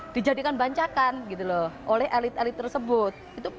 dijadikan bancakan gitu loh oleh elit elit tersebut